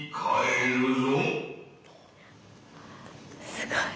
すごい。